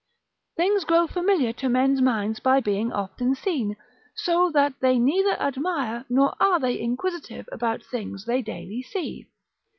["Things grow familiar to men's minds by being often seen; so that they neither admire nor are they inquisitive about things they daily see."